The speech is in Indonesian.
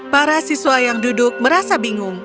para siswa yang duduk merasa bingung